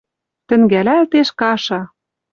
Тӹнгӓлӓлтеш каша!»